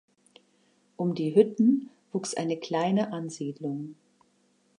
Um die Hütten wuchs eine kleine Ansiedlung.